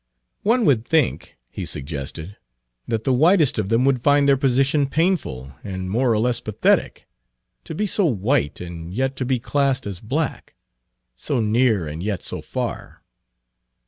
"One would think," he suggested, "that the whitest of them would find their position painful and more or less pathetic; to be so white and yet to be classed as black so near and yet so far."